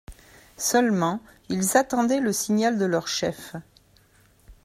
Seulement, ils attendaient le signal de leur chef.